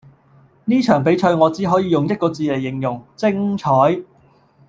呢場比賽我只可以用一個字黎形容,精采